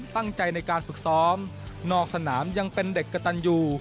ตั้งใจในการฝึกซ้อมนอกสนามยังเป็นเด็กกระตันยู